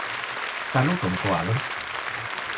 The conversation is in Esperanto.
Saluton, koalo!